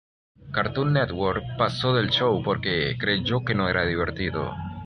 Cartoon Network pasó del show porque creyó que no era divertido.